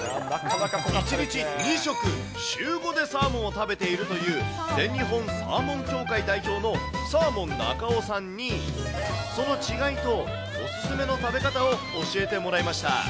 １日２食、週５でサーモンを食べているという、全日本サーモン協会代表のサーモン中尾さんに、その違いとお勧めの食べ方を教えてもらいました。